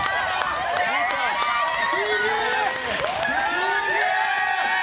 すげえ！